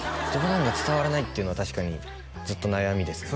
冗談が伝わらないっていうのは確かにずっと悩みですね